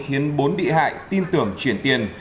khiến bốn bị hại tin tưởng chuyển tiền